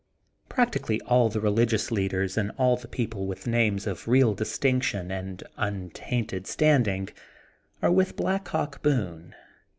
Practically all the religious leaders and all the people with names of real distinction and untainted standing are with Black Hawk Boone.